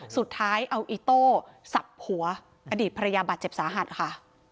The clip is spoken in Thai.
สุดท้ายเอาอิโต้สับหัวอดีตภรรยาบาดเจ็บสาหัสค่ะ